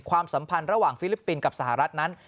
สัมพันธ์ระหว่างฟิลิปปินส์กับสหรัฐนั้น